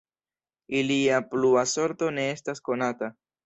Ilia plua sorto ne estas konata.